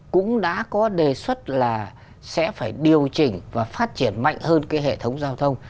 cũng đã có đề xuất là sẽ phải điều chỉnh và phát triển mạnh hơn cái hệ thống giao thông